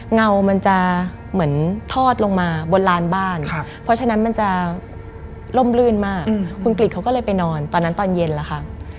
เงามันจะเหมือนทอดลงมาบนลานบ้านเพราะฉะนั้นมันจะล่มลื่นมากคุณกริจเขาก็เลยไปนอนตอนนั้นตอนเย็นแล้วค่ะ